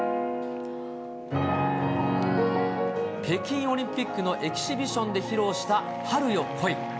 北京オリンピックのエキシビションで披露した春よ、来い。